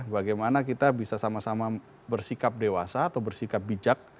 bagaimana kita bisa sama sama bersikap dewasa atau bersikap bijak